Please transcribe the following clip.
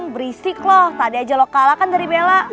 berisik loh tadi aja lo kalah kan dari bella